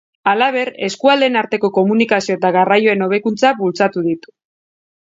Halaber, eskualdeen arteko komunikazio eta garraioen hobekuntza bultzatu ditu.